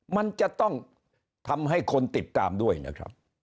มันจะต้องทำให้คนติดตามด้วยนะครับ